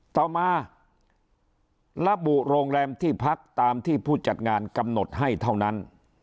ต่อมาระบุโรงแรมที่พักตามที่ผู้จัดงานกำหนดให้เท่านั้น